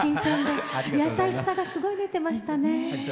優しさがすごい出てましたね。